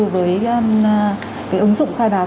với cái ứng dụng khai báo